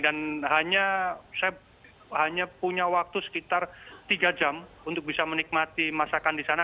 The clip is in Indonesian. dan hanya saya punya waktu sekitar tiga jam untuk bisa menikmati masakan di sana